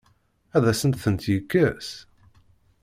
Ad asent-ten-yekkes?